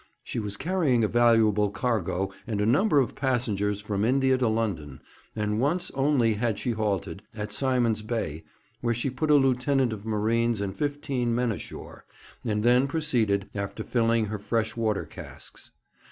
She was carrying a valuable cargo and a number of passengers from India to London, and once only had she halted at Simon's Bay, where she put a lieutenant of Marines and fifteen men ashore, and then proceeded, after filling her fresh water casks.